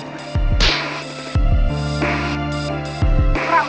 kau gak mau ngasih